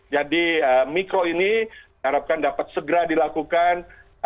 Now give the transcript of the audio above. jadi mikro ini harapkan dapat segera dilakukan